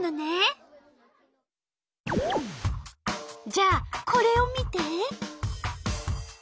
じゃあこれを見て！